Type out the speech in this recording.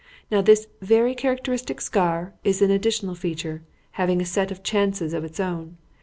Now this very characteristic scar is an additional feature, having a set of chances of its own.